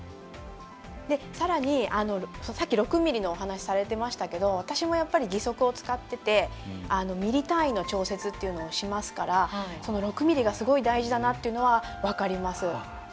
さらにさっき６ｍｍのお話されてましたけど私も義足を使っててミリ単位の調節というのをしますから６ｍｍがすごい大事だなというのは分かります。